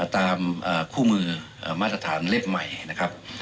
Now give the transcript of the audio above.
ตามคู่มือมาตรฐานเล็บใหม่นะครับ